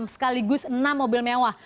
sekaligus enam mobil mewah